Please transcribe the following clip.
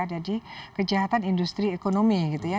jadi kejahatan industri ekonomi gitu ya